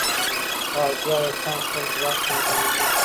غازي ایوب خان خپل ځواک تنظیموي.